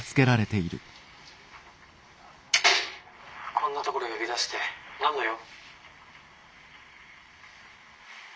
「こんな所へ呼び出して何の用？」。